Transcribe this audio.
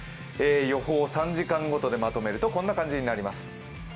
予報３時間ごとでまとめるとこんな感じになります。